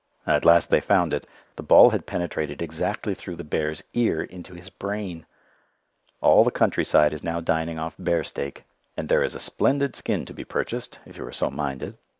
At last they found it. The ball had penetrated exactly through the bear's ear into his brain. All the countryside is now dining off bear steak; and there is a splendid skin to be purchased if you are so minded.